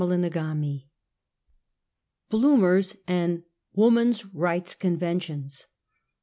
CHAPTER XXIX. BLOOMERS AND WOMAN's RIGHTS CONVENTIONS.